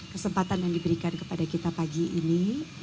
kesempatan yang diberikan kepada kita pagi ini